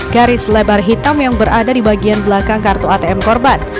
garis lebar hitam yang berada di bagian belakang kartu atm korban